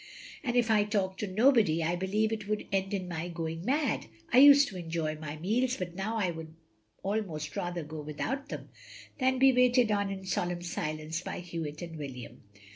And if I talk to nobody I believe it would end in my going mad. I used to enjoy my meals, but now I would almost rather go without them, than be waited on in solemn silence by Hewitt and William."